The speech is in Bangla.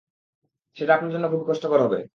সেটা আপনার জন্য খুব কষ্টকর হবে।